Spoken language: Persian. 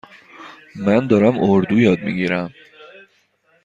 من دارم اردو یاد می گیرم.